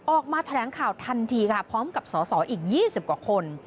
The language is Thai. ออกมาแถลงข่าวทันทีค่ะพร้อมกับสอสออีก๒๐กว่าคน